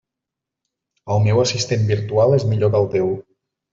El meu assistent virtual és millor que el teu.